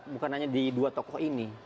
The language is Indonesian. bukan hanya di dua tokoh ini